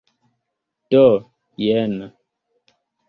Do, jen.